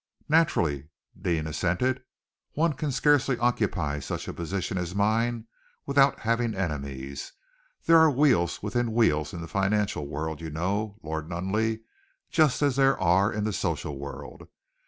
"Naturally," Deane assented. "One can scarcely occupy such a position as mine without having enemies. There are wheels within wheels in the financial world, you know, Lord Nunneley, just as there are in the social world.